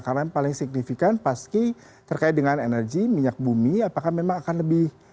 karena paling signifikan paski terkait dengan energi minyak bumi apakah memang akan lebih